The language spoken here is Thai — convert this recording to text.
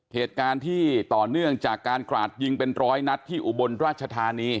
เหตุการณ์ที่ต่อเนื่องจากการกราดยิงเป็นร้อยนัดที่อุบลราชธานี